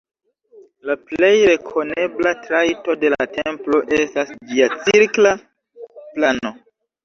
La plej rekonebla trajto de la templo estas ĝia cirkla plano.